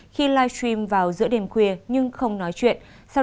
khi live stream vào giữa đêm khuya nhưng không nói chuyện